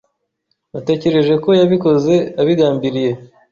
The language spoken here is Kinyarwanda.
Natekereje ko yabikoze abigambiriye.